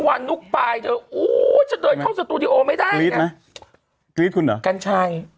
ไม่เป็นฉันไม่ได้